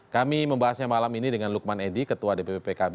kami membahasnya malam ini dengan lukman edi ketua dpp pkb